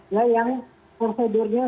ya yang prosedurnya